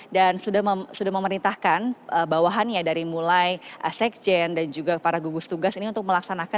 dan sudah memerintahkan bawahannya dari mulai sekjen dan juga para gugus tugas ini untuk melaksanakan